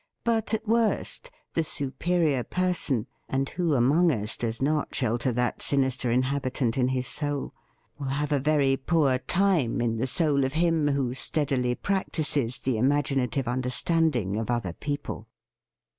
But, at worst, the superior person — (and who among us does not shelter that sinister inhabitant in his soul?) — will have a very poor time in the soul of him who steadily practises the imaginative understand ing of other people.